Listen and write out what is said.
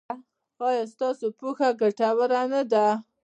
ایا ستاسو پوهه ګټوره نه ده؟